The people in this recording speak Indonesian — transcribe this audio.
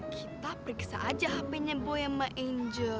kita periksa aja hp nya boy sama angel